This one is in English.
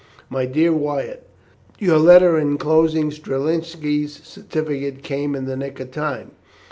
"My dear Wyatt, your letter inclosing Strelinski's certificate came in the nick of time.